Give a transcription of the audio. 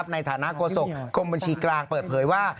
ในฐานะโฆษกกรมบัญชีกลางเปิดเผยว่า